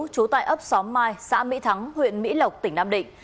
trú tại ấp xóm mai xã mỹ thắng huyện mỹ lộc tỉnh nam định